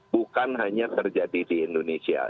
bukan hanya terjadi di indonesia